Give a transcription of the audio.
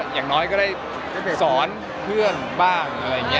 อย่างน้อยก็ได้สอนเพื่อนบ้างอะไรอย่างนี้